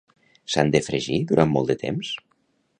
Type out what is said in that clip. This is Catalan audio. S'han de fregir durant molt de temps?